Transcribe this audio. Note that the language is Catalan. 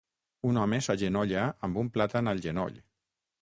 Un home s'agenolla amb un plàtan al genoll.